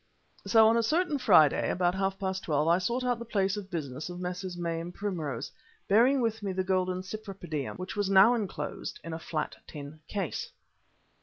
So on a certain Friday, about half past twelve, I sought out the place of business of Messrs. May and Primrose, bearing with me the golden Cypripedium, which was now enclosed in a flat tin case.